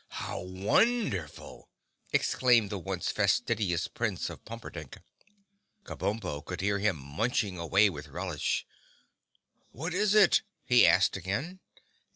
How wonderful!" exclaimed the once fastidious Prince of Pumperdink. Kabumpo could hear him munching away with relish. "What is it?" he asked again.